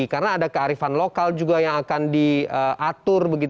karena ada kearifan lokal juga yang akan diatur